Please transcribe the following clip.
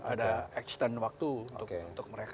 ada extent waktu untuk mereka